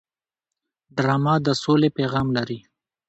ډرامه د سولې پیغام لري